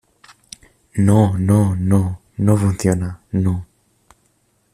no, no , no. no funciona , no .